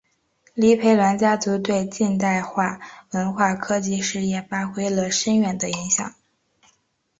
黎培銮家族对近现代文化科技事业发挥了深远的影响。